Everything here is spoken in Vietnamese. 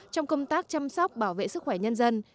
trong công tác chăm sóc bảo vệ sức khỏe nhân dân